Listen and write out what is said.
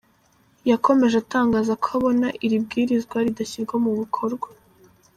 Yakomeje atangaza ko abona iri bwirizwa ridashyirwa mu bikorwa.